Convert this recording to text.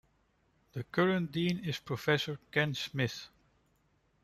The current dean is Professor Ken Smith.